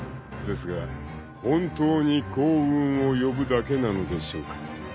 ［ですが本当に幸運を呼ぶだけなのでしょうか？］